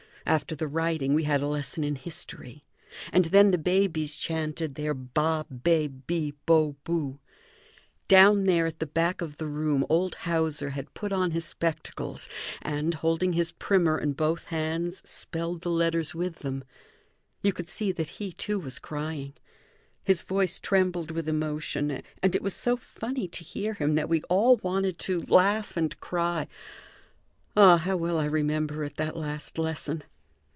After the writing, we had a lesson in history, and then the babies chanted their ba, be, bi, bo, bu. Down there at the back of the room old Hauser had put on his spectacles and, holding his primer in both hands, spelled the letters with them. You could see that he, too, was crying; his voice trembled with emotion, and it was so funny to hear him that we all wanted to laugh and cry. Ah, how well I remember it, that last lesson!